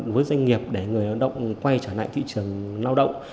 với doanh nghiệp để người lao động quay trở lại thị trường lao động